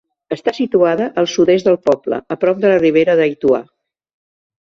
Està situada al sud-est del poble, a prop de la Ribera d'Aituà.